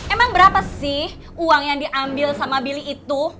emang berapa sih uang yang diambil sama billy itu